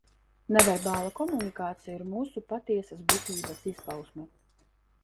Neverbālā komunikācija ir mūsu patiesās būtības izpausme.